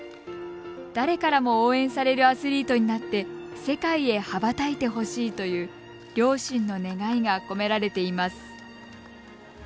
誰からも応援されるアスリートになって世界へ羽ばたいてほしいという両親の願いが込められています。